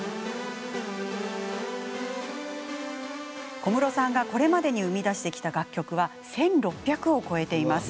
小室さんがこれまでに生み出してきた楽曲は１６００を超えています。